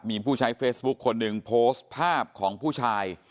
มีผู้ใช้เฟซบุ๊คคนหนึ่งโพสต์ภาพของผู้ชาย